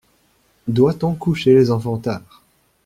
Doit-on coucher les enfants tard?